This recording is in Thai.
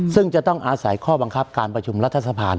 ซึ่งจะต้องอาศัยข้อบังคับการประชุมรัฐสภา